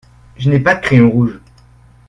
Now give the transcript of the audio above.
Je n’ai pas de crayon rouge.